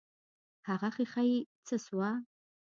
هغه ښيښه يې څه سوه.